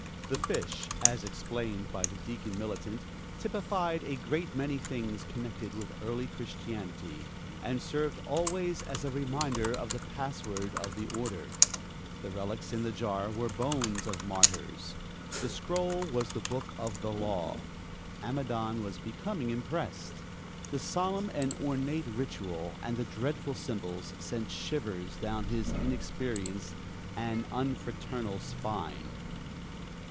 The fish, as explained by the Deacon Militant, typified a great many things connected with early Christianity, and served always as a reminder of the password of the order. The relics in the jar were the bones of martyrs. The scroll was the Book of the Law. Amidon was becoming impressed: the solemn and ornate ritual and the dreadful symbols sent shivers down his inexperienced and unfraternal spine.